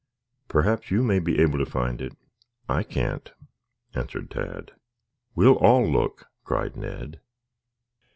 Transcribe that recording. "Perhaps you may be able to find it. I can't," answered Tad. "We'll all look," cried Ned.